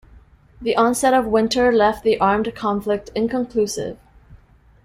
The onset of winter left the armed conflict inconclusive.